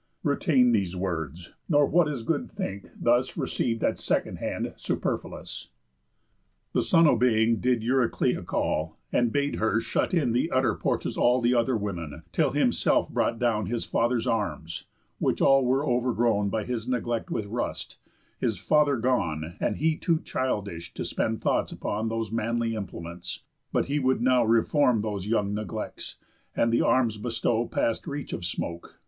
_ Retain these words; nor what is good think, thus Receiv'd at second hand, superfluous." The son, obeying, did Euryclea call, And bade her shut in th' utter porches all The other women, till himself brought down His father's arms, which all were overgrown By his neglect with rust, his father gone, And he too childish to spend thoughts upon Those manly implements; but he would now Reform those young neglects, and th' arms bestow Past reach of smoke.